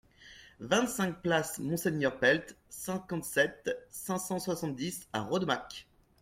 vingt-cinq place Monseigneur Pelt, cinquante-sept, cinq cent soixante-dix à Rodemack